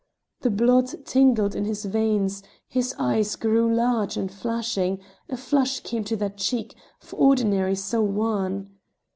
The blood tingled to his veins; his eyes grew large and flashing; a flush came to that cheek, for ordinary so wan.